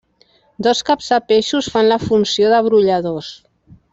Dos caps de peixos fan la funció de brolladors.